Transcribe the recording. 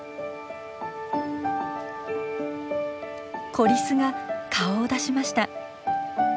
子リスが顔を出しました。